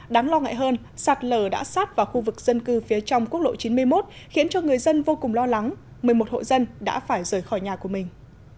đáng lo ngại hơn sạt lở đã sát vào khu vực dân cư phía trong quốc lộ chín mươi một khiến cho người dân vô cùng lo lắng một mươi một hộ dân đã phải rời khỏi nhà của mình